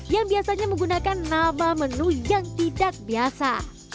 yang biasanya menggunakan nama menu yang tidak biasa